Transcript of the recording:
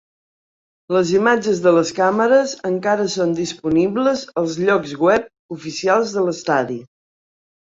Les imatges de les càmeres encara són disponibles als llocs web oficials de l'estadi.